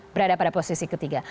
berada pada posisi ketiga